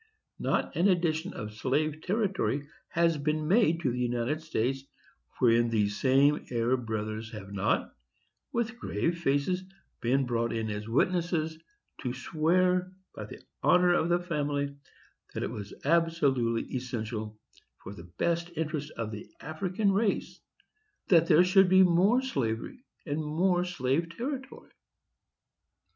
Not an addition of slave territory has been made to the United States, wherein these same Arab brothers have not, with grave faces, been brought in as witnesses, to swear, by the honor of the family, that it was absolutely essential, for the best interest of the African race, that there should be more slavery and more slave territory.